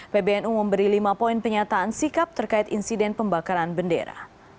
pbnu memberi lima poin penyataan sikap terkait insiden pembakaran bendera